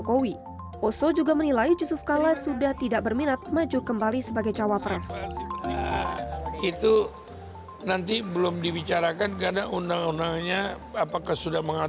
jokowi oso juga menilai yusuf kala sudah tidak berminat maju kembali sebagai cawapres